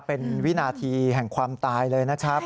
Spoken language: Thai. เป็นวินาทีแห่งความตายเลยนะครับ